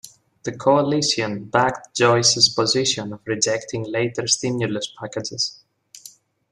The Coalition backed Joyce's position of rejecting later stimulus packages.